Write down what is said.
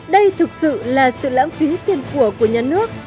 đây thực sự là sự lãng phí tiền của của nhà nước